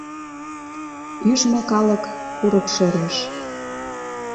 Ӱжмӧ калык курык шӧреш